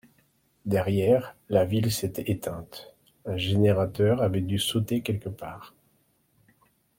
Derrière, la ville s’était éteinte: un générateur avait dû sauter quelque part.